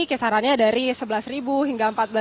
kisarannya dari sebelas hingga empat belas